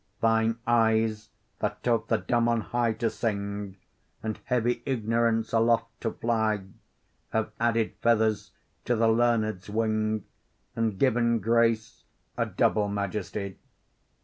Thine eyes, that taught the dumb on high to sing And heavy ignorance aloft to fly, Have added feathers to the learned's wing And given grace a double majesty.